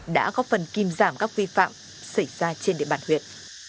đã góp phần kim giảm các vi phạm xảy ra trên địa bàn huyện